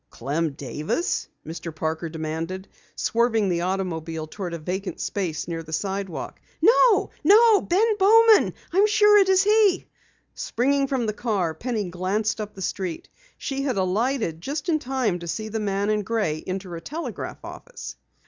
"Clem Davis?" Mr. Parker demanded, swerving the automobile toward a vacant space near the sidewalk. "No! No! Ben Bowman! I'm sure it is he!" Springing from the car, Penny glanced up the street. She had alighted just in time to see the man in gray enter a telegraph office.